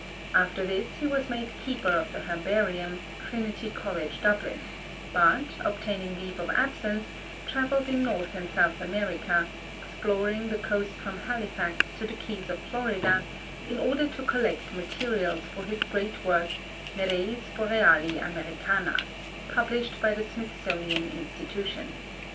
After this he was made keeper of the Herbarium, Trinity College, Dublin, but, obtaining leave of absence, travelled in North and South America, exploring the coast from Halifax to the Keys of Florida, in order to collect materials for his great work, Nereis Boreali Americana, published by the Smithsonian Institution.